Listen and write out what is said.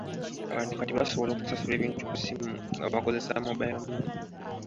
Abantu kati basobola okusasula ebintu ku ssimu nga bakozesa mobayiro mmane.